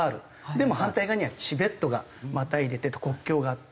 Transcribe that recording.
でも反対側にはチベットがまたいでて国境があって。